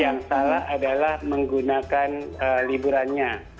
yang salah adalah menggunakan liburannya